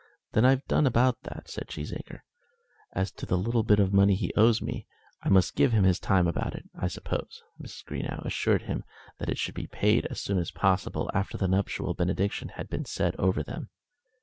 "Then I've done about that," said Cheesacre; "and as to the little bit of money he owes me, I must give him his time about it, I suppose." Mrs. Greenow assured him that it should be paid as soon as possible after the nuptial benediction had been said over them.